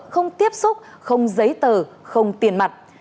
không tiếp xúc không giấy tờ không tiền mặt